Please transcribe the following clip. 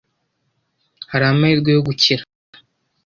Hari amahirwe yo gukira?